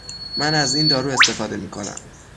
من از این دارو استفاده می کنم.